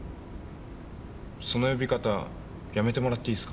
その呼び方やめてもらっていいすか？